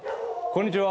こんにちは。